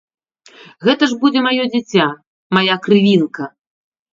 Гэта ж будзе маё дзіця, мая крывінка.